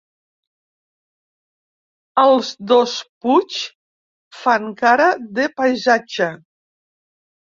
Els dos Puig fan cara de paisatge.